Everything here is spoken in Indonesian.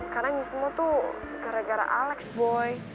karena ini semua tuh gara gara alex boy